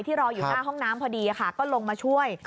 รออยู่หน้าห้องน้ำพอดีค่ะก็ลงมาช่วย